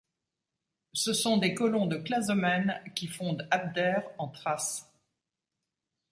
Ce sont des colons de Clazomènes qui fondent Abdère en Thrace.